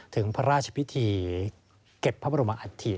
ถึงพระราชพิธีเก็บพระบรมอัฐิ